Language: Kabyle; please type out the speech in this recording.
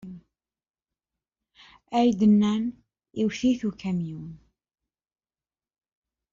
Aydi-nni iwet-it ukamyun.